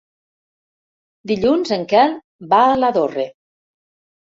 Dilluns en Quel va a Lladorre.